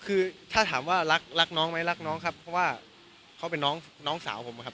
เพราะว่าเขาเป็นน้องสาวผมครับ